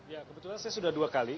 ya kebetulan saya sudah dua kali